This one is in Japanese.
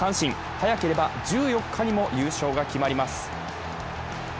早ければ１４日にも優勝が決まります。